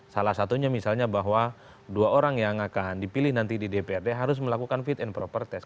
salah satunya misalnya bahwa dua orang yang akan dipilih nanti di dprd harus melakukan fit and proper test